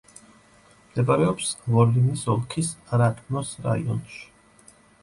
მდებარეობს ვოლინის ოლქის რატნოს რაიონში.